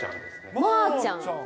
まーちゃん？